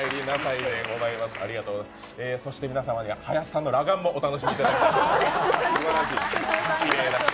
そして皆様には林さんの裸眼もお楽しみいただきます。